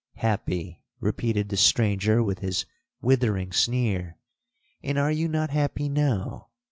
'—'Happy,' repeated the stranger with his withering sneer—'and are you not happy now?